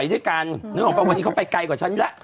วันนี้เขาไปไกลกว่าฉันแล้ว